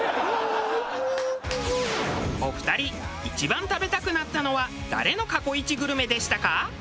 お二人一番食べたくなったのは誰の過去イチグルメでしたか？